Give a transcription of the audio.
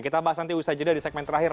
kita bahas nanti usai jeda di segmen terakhir